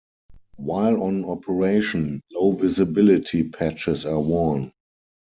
While on operation, low-visibility patches are worn.